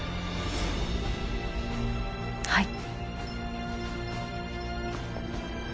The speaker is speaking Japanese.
はい。